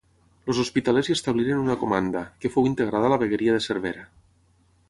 Els hospitalers hi establiren una comanda, que fou integrada a la vegueria de Cervera.